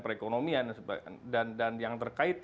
perekonomian dan yang terkait